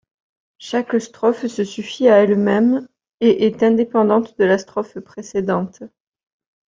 Chaque strophe se suffit à elle-même, et est indépendante de la strophe précédente.